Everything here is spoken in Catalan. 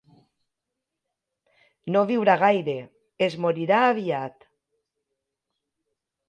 No viurà gaire: es morirà aviat.